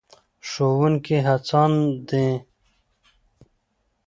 ښوونکي هڅاند دي.